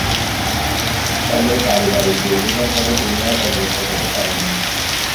তবে পারিবারিক বিরোধিতার ফলে তিনি আর অগ্রসর হতে পারেননি।